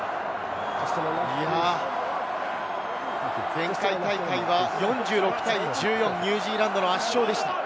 前回大会は４６対１４、ニュージーランドの圧勝でした。